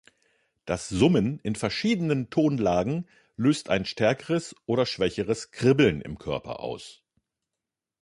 Das Summen in verschiedenen Tonlagen löst ein stärkeres oder schwächeres Kribbeln im Körper aus.